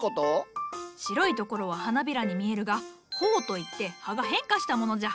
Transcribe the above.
白いところは花びらに見えるが苞といって葉が変化したものじゃ。